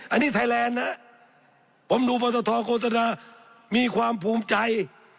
อันนี้ไทยแลนด์นะผมดูปรตทโฆษณามีความภูมิใจ